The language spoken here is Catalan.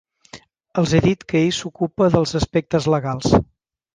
Els he dit que ell s'ocupa dels aspectes legals.